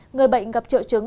người bệnh gặp trợ chứng